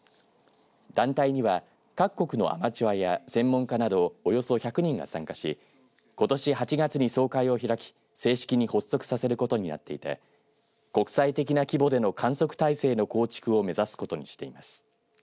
団体に各国のアマチュアや専門家などおよそ１００人が参加しことし８月に総会を開き正式に発足させることになっていて国際的な規模での観測態勢の構築を目指すことにしています。